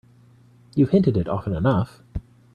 You've hinted it often enough.